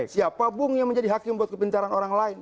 siapa bung yang menjadi hakim buat kepintaran orang lain